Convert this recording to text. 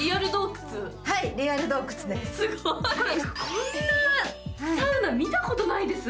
こんなサウナ、見たことないです。